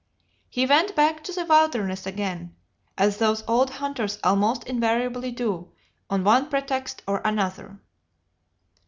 He went back to the wilderness again, as these old hunters almost invariably do, on one pretext or another.